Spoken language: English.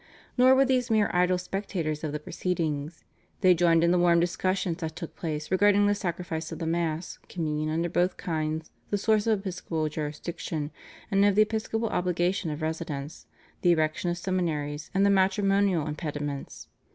Nor were these mere idle spectators of the proceedings. They joined in the warm discussions that took place regarding the Sacrifice of the Mass, Communion under both kinds, the source of episcopal jurisdiction and of the episcopal obligation of residence, the erection of seminaries, and the matrimonial impediments.